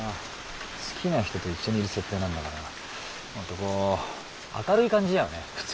好きな人と一緒にいる設定なんだからもっとこう明るい感じだよね普通。